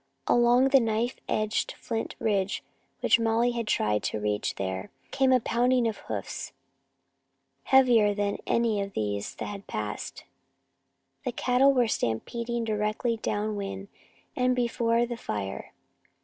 Along the knife edged flint ridge which Molly had tried to reach there came the pounding of hoofs, heavier than any of these that had passed. The cattle were stampeding directly down wind and before the fire.